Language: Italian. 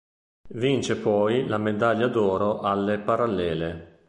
Vince poi la medaglia d'oro alle parallele.